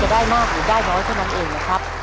ได้มากหรือได้น้อยเท่านั้นเองนะครับ